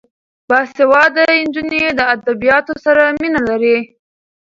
باسواده نجونې د ادبیاتو سره مینه لري.